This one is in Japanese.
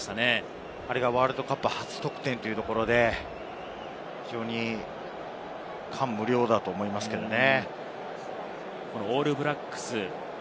あれがワールドカップ初得点ということで、感無量だと思いますけれどね。